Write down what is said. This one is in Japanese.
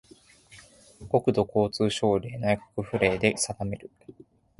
国土交通省令・内閣府令で定める